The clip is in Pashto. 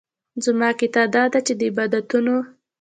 زما عقیده داده چې د عبادتونو.